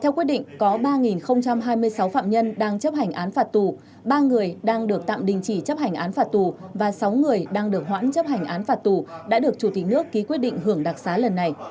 theo quyết định có ba hai mươi sáu phạm nhân đang chấp hành án phạt tù ba người đang được tạm đình chỉ chấp hành án phạt tù và sáu người đang được hoãn chấp hành án phạt tù đã được chủ tịch nước ký quyết định hưởng đặc xá lần này